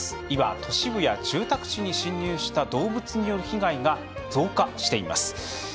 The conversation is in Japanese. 今、都市部や住宅地に侵入した動物による被害が増加しています。